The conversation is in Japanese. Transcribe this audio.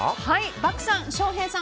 漠さん、翔平さん